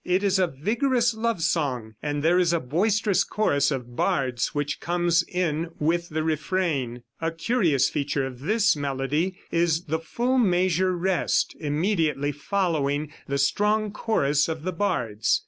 It is a vigorous love song, and there is a boisterous chorus of bards which comes in with the refrain. A curious feature of this melody is the full measure rest, immediately following the strong chorus of the bards.